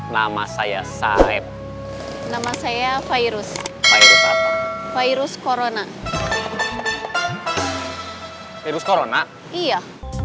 perlu memperkenalkan diri nama saya saeb nama saya virus virus corona virus corona iya